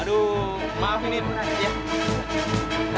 aduh maafin ini pak